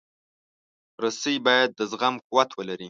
رسۍ باید د زغم قوت ولري.